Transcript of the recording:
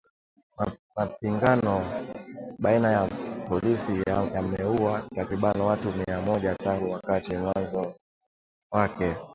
Mapigano baina ya polisi yameuwa takriban watu mia moja tangu wakati mwanzo wake.